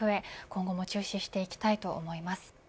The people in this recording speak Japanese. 今後も注視していきたいと思います。